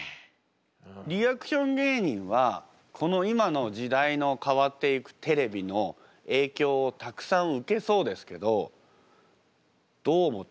リアクション芸人はこの今の時代の変わっていくテレビの影響をたくさん受けそうですけどどう思っていますか？